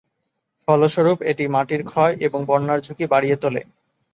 ফলস্বরূপ এটি মাটির ক্ষয় এবং বন্যার ঝুঁকি বাড়িয়ে তোলে।